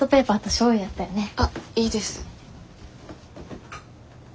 あっいいです。